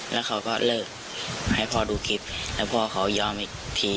แล้วเขาก็เลิกให้พ่อดูคลิปแล้วพ่อเขายอมอีกที